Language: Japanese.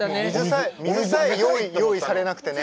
水さえ用意されなくてね。